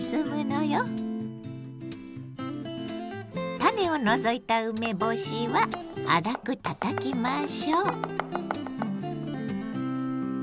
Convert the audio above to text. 種を除いた梅干しは粗くたたきましょう。